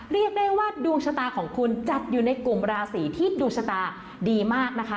เรียกได้ว่าดวงชะตาของคุณจัดอยู่ในกลุ่มราศีที่ดวงชะตาดีมากนะคะ